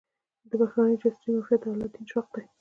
د بهرنۍ جاسوسۍ معافیت د الله دین چراغ دی.